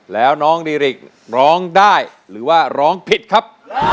แล้วน้องดีริกร้องได้หรือว่าร้องผิดครับ